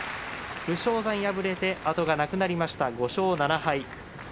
武将山は敗れて後がなくなりました、５勝７敗。